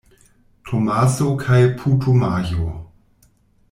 Tomaso kaj Putumajo.